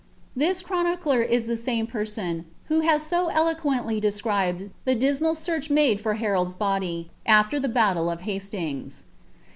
^ronicler is the same person who has so eloquently described the [ search made for Harold's body, after the battle of Hastings.